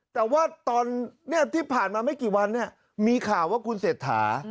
แต่ว่าตอนที่ผ่านมาไม่กี่วันมีข่าวว่าคุณเศรษฐา